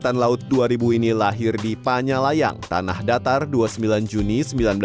angkatan laut dua ribu ini lahir di panyalayang tanah datar dua puluh sembilan juni seribu sembilan ratus sembilan puluh